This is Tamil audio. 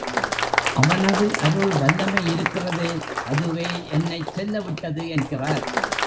அவனது அருள் வல்லமை இருக்கிறதே, அதுவே என்னைச் செல்ல விட்டது என்கிறார்.